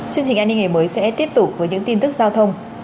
chương trình an ninh ngày mới sẽ tiếp tục với những tin tức giao thông